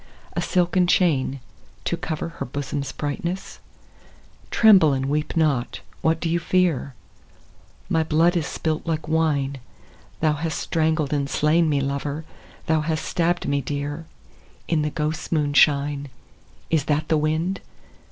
A silken chain, to cover Her bosom's brightness ? (Tremble and weep not : what dost thou fear ?)— My blood is spUt like wine, Thou hast strangled and slain me, lover. Thou hast stabbed me dear. In the ghosts' moonshine. Is that the wind